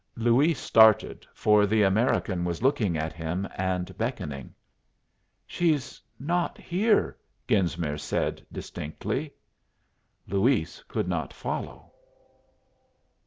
Luis started, for the American was looking at him and beckoning. "She's not here," Genesmere said, distinctly. Luis could not follow.